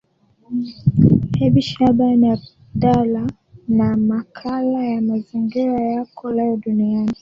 ebi shaban abdala na makala ya mazingira yako leo duniani